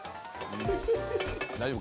大丈夫？